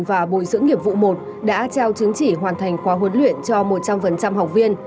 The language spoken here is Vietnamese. và bồi dưỡng nghiệp vụ một đã trao chứng chỉ hoàn thành khóa huấn luyện cho một trăm linh học viên